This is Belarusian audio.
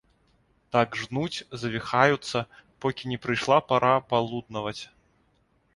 Так жнуць, завіхаюцца, покі не прыйшла пара палуднаваць.